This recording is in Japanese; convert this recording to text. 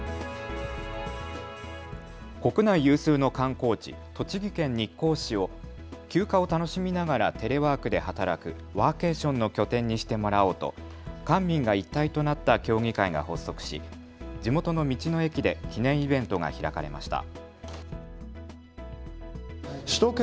国内有数の観光地、栃木県日光市を休暇を楽しみながらテレワークで働くワーケーションの拠点にしてもらおうと官民が一体となった協議会が発足し地元の道の駅で記念イベントが開かれました。